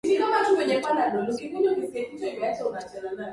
naitwa nurdin selumani awali ya yeyote